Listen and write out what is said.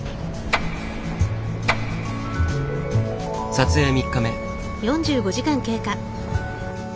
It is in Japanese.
撮影３日目。